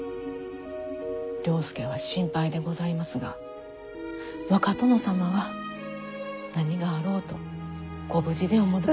了助は心配でございますが若殿様は何があろうとご無事でお戻り。